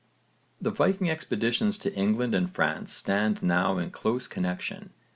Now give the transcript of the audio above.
The Viking expeditions to England and France stand now in close connexion.